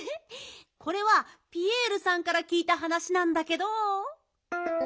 これはピエールさんからきいたはなしなんだけど。